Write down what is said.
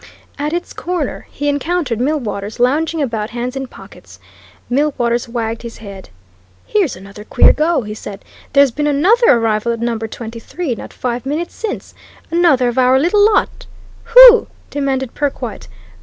At its corner he encountered Millwaters, lounging about hands in pockets. Millwaters wagged his head. "Here's another queer go!" he said. "There's been another arrival at Number 23 not five minutes since. Another of our little lot!" "Who?" demanded Perkwite.